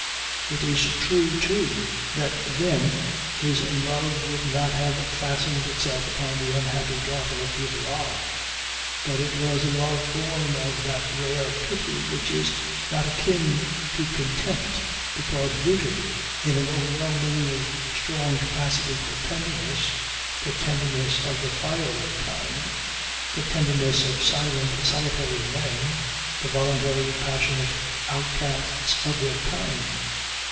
It is true too that then his love would not have fastened itself upon the unhappy daughter of de Barral. But it was a love born of that rare pity which is not akin to contempt because rooted in an overwhelmingly strong capacity for tenderness the tenderness of the fiery kind the tenderness of silent solitary men, the voluntary, passionate outcasts of their kind.